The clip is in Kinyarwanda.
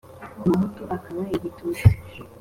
umuhutu akaba igitutsi